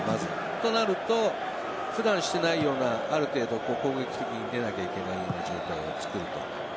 となると普段していないようなある程度、攻撃的に出なきゃいけない状態をつくる。